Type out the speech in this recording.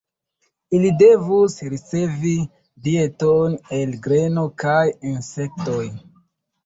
Ili devus ricevi dieton el greno kaj insektoj.